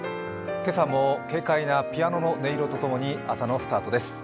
今朝も軽快なピアノの音色と共に朝のスタートです。